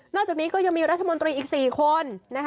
จากนี้ก็ยังมีรัฐมนตรีอีก๔คน